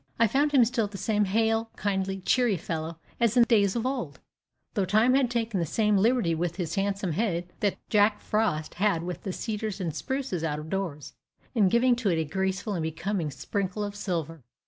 I found him still the same hale, kindly, cheery fellow as in days of old, though time had taken the same liberty with his handsome head that Jack Frost had with the cedars and spruces out of doors, in giving to it a graceful and becoming sprinkle of silver.